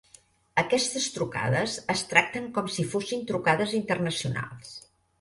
Aquestes trucades es tracten com si fossin trucades internacionals.